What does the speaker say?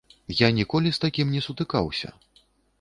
Я ніколі з такім не сутыкаўся.